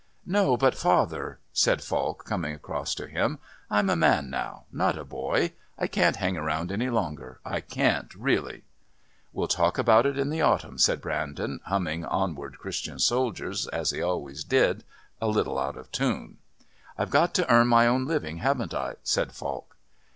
"No, but, father," said Falk, coming across to him, "I'm a man now, not a boy. I can't hang about any longer I can't really." "We'll talk about it in the autumn," said Brandon, humming "Onward, Christian Soldiers," as he always did, a little out of tune. "I've got to earn my own living, haven't I?" said Falk.